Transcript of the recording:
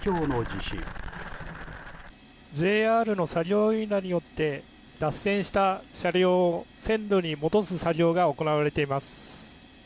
ＪＲの作業員らによって脱線した車両を線路に戻す作業が行われています。